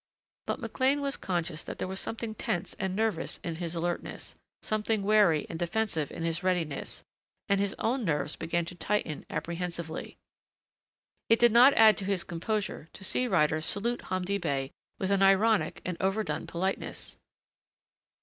But McLean was conscious that there was something tense and nervous in his alertness, something wary and defensive in his readiness, and his own nerves began to tighten apprehensively. It did not add to his composure to see Ryder salute Hamdi Bey with an ironic and overdone politeness.